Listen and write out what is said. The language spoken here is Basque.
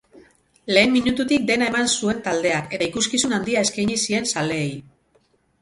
Lehen minututik dena eman zuen taldeak eta ikuskizun handia eskaini zien zaleei.